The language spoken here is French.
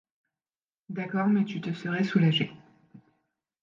D'accord, mais tu te serais soulagée.